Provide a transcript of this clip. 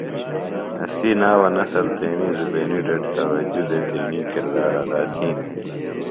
اسی ناوہ نسل تیݨی زُبینی ڈڈیࣿ توجہ دےۡ تیݨی کردار ادا تِھین۔